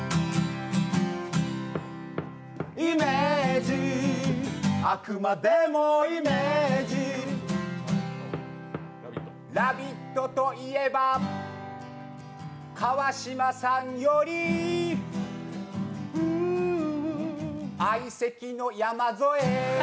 イメージ、あくまでもイメージ「ラヴィット！」といえば川島さんより相席の山添。